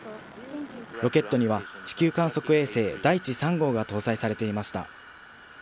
ロケットには地球観測衛星だいち３号が搭載されていました。